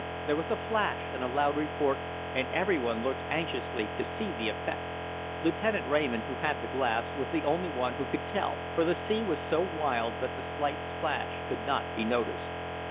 There was a flash and a loud report, and every one looked anxiously to see the effect. Lieutenant Raymond, who had the glass, was the only one who could tell; for the sea was so wild that the slight splash could not be noticed.